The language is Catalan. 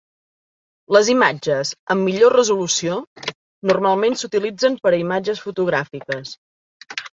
Les imatges amb millor resolució normalment s"utilitzen per a imatges fotogràfiques.